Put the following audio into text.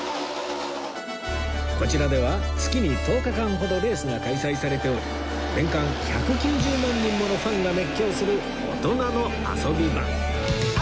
こちらでは月に１０日間ほどレースが開催されており年間１９０万人ものファンが熱狂する大人の遊び場